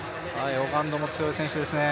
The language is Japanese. オガンドも強い選手ですね。